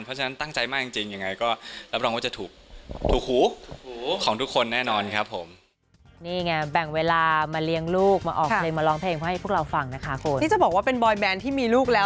เพราะฉะนั้นตั้งใจมากจริงยังไงก็รับรองว่าจะถูกหูของทุกคนแน่นอนครับผม